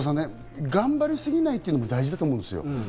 小澤さんね、頑張り過ぎないというのも大事だと思うんですよ。